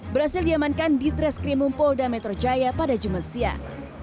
berhasil diamankan di treskrimum polda metro jaya pada jumat siang